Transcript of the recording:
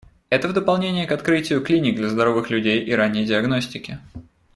Это в дополнение к открытию клиник для здоровых людей и ранней диагностики.